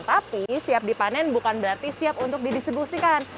tapi siap dipanen bukan berarti siap untuk didistribusikan